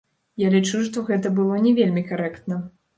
Я лічу, што гэта было не вельмі карэктна.